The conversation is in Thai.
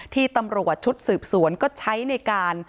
ที่ตำรวจชุดสืบสวนก็ใช้ในการ